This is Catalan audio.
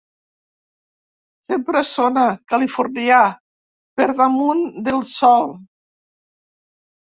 Sempre sona, californià, per damunt del sol.